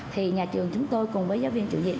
thì nhà trường chúng tôi cùng với giáo viên trụ diện